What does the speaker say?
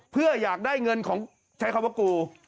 เพื่ออยากได้เงินของใช้คำว่ากู